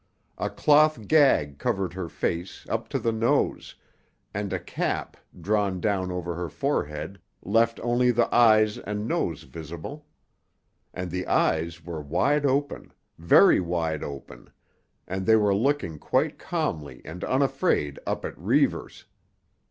A cloth gag covered her face up to the nose, and a cap, drawn down over the forehead, left only the eyes and nose visible. And the eyes were wide open—very wide open—and they were looking quite calmly and unafraid up at Reivers.